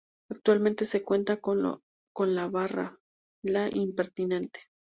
Actualmente se cuenta con la barra "La Impertinente".